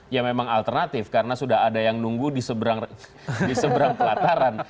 ya memang alternatif karena sudah ada yang nunggu di seberang pelataran